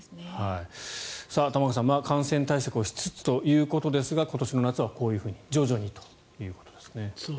玉川さん、感染対策をしつつということですが今年の夏はこういうふうに徐々にということです。